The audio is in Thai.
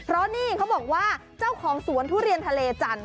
เพราะนี่เขาบอกว่าเจ้าของสวนทุเรียนทะเลจันท